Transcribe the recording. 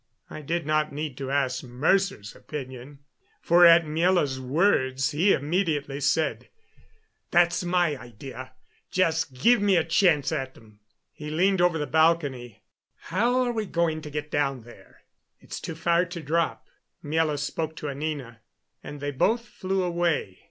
I did not need to ask Mercer's opinion, for at Miela's words he immediately said: "That's my idea. Just give me a chance at them." He leaned over the balcony. "How are we going to get down there? It's too far to drop." Miela spoke to Anina, and they both flew away.